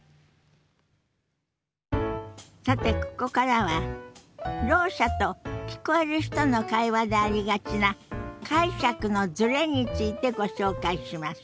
さてここからはろう者と聞こえる人の会話でありがちな解釈のズレについてご紹介します。